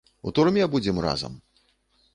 У турме будзем разам.